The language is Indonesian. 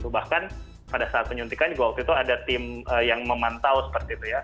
bahkan pada saat penyuntikan juga waktu itu ada tim yang memantau seperti itu ya